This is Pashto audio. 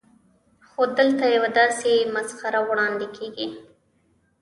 خو دلته یوه داسې مسخره وړاندې کېږي.